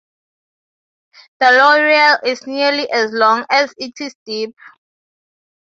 The loreal is nearly as long as it is deep.